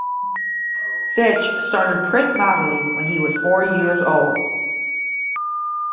Fitch started print modeling when he was four years old.